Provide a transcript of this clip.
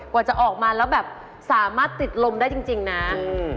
กว่าจะออกมาแล้วแบบสามารถติดลมได้จริงจริงนะอืม